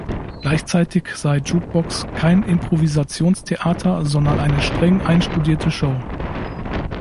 Gleichzeitig sei Jukebox kein Improvisationstheater, sondern eine streng einstudierte Show.